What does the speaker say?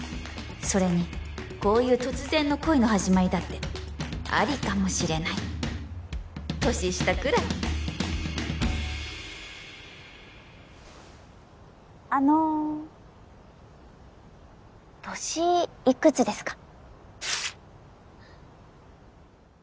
それにこういう突然の恋の始まりだってありかもしれない年下くらいあの年いくつですか？